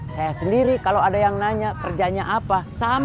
saya sendiri kalau ada yang nanya kerjanya apa